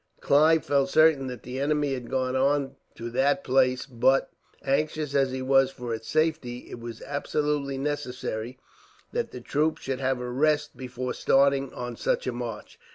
Clive felt certain that the enemy had gone on to that place; but, anxious as he was for its safety, it was absolutely necessary that the troops should have a rest before starting on such a march.